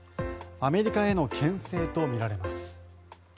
アメリカへのけん制とみられます。